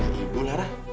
ada ibu lara